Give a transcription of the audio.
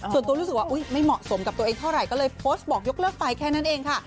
ส่วนตัวรู้สึกว่าไม่เหมาะสมกับตัวเองเท่าไหร่ก็เลยโพสต์บอกยกเลิกไปแค่นั้นเองค่ะ